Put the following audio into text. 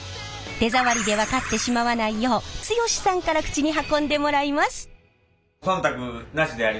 手触りで分かってしまわないよう剛さんから口に運んでもらいます。